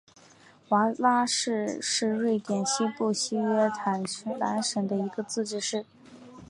瓦拉市是瑞典西部西约塔兰省的一个自治市。